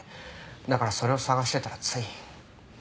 だからそれを探してたらつい。